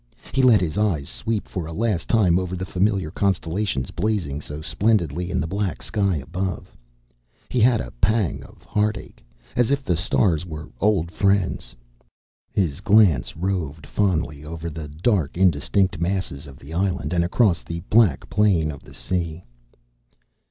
He let his eyes sweep for a last time over the familiar constellations blazing so splendidly in the black sky above. He had a pang of heartache, as if the stars were old friends. His glance roved fondly over the dark, indistinct masses of the island, and across the black plain of the sea.